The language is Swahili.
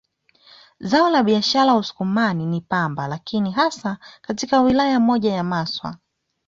Zao la biashara Usukumani ni pamba lakini hasa katika wilaya moja ya Maswa